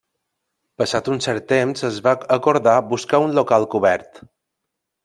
Passat un cert temps es va acordar buscar un local cobert.